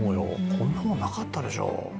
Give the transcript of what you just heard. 「こんなものなかったでしょ」